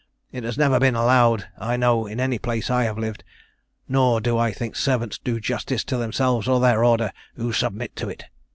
It has never been allowed I know in any place I have lived; nor do I think servants do justice to themselves or their order who submit to it.